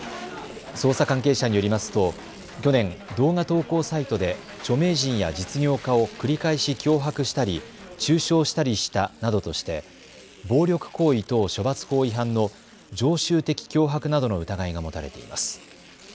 捜査関係者によりますと去年、動画投稿サイトで著名人や実業家を繰り返し脅迫したり中傷したりしたなどとして暴力行為等処罰法違反の常習的脅迫などの疑いが持たれています。